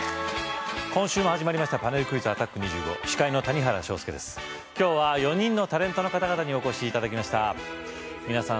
今週も始まりましたパネルクイズアタ司会の谷原章介です今日は４人のタレントの方々にお越し頂きました皆さん